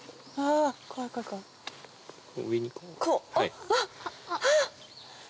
あっあっ！